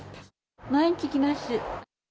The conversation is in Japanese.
毎日来ます。